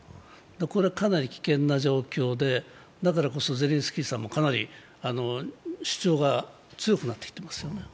これはかなり危険な状況で、だからこそゼレンスキーさんもかなり主張が強くなってきていますよね。